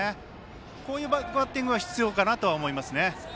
こういうバッティングは必要かなと思いますよね。